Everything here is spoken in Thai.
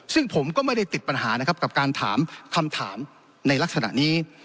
ซึ่งผมก็ไม่ได้ติดปัญหานะครับกับการถามคำถามในลักษณะนี้